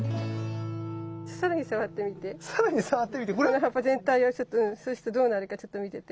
この葉っぱ全体をそうするとどうなるかちょっと見てて。